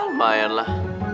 ya lumayan lah